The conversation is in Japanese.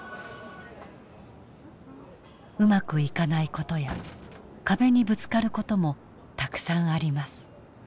うまくいかない事や壁にぶつかる事もたくさんあります。